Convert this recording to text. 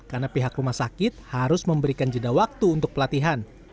karena pihak rumah sakit harus memberikan jeda waktu untuk pelatihan